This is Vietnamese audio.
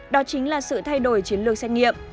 đó chính là sự thay đổi chiến lược xét nghiệm